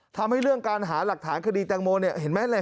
ทำให้เรื่องการหาหลักฐานคดีต่างโมนเนี่ย